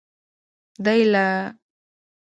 دا یې لایتناهي هوښیاري ته په امانت سپاري